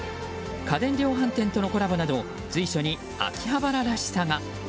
家電量販店とのコラボなど随所に秋葉原らしさが。